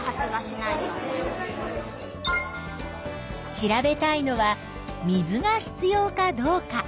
調べたいのは水が必要かどうか。